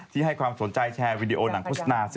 ที่ให้สนใจแชร์วีดีโอหนังทุกท่า